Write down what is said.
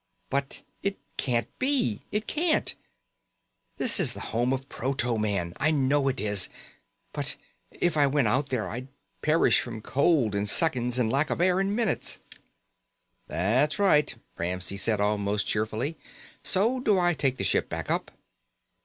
"But it can't be. It can't. This is the home of proto man. I know it is. But if I went out there I'd perish from cold in seconds and lack of air in minutes." "That's right," Ramsey said almost cheerfully. "So do I take the ship back up?"